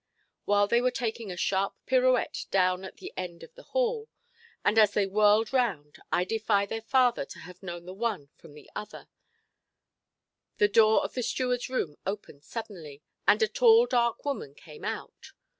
While they were taking a sharp pirouette down at the end of the hall—and as they whirled round I defy their father to have known the one from the other—the door of the stewardʼs room opened suddenly, and a tall dark woman came out.